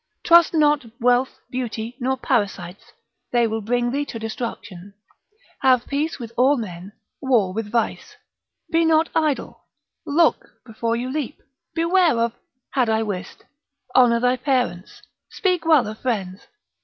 Trust not wealth, beauty, nor parasites, they will bring thee to destruction. Have peace with all men, war with vice. Be not idle. Look before you leap. Beware of 'had I wist.' Honour thy parents, speak well of friends.